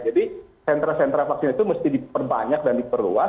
jadi sentra sentra vaksin itu mesti diperbanyak dan diperluas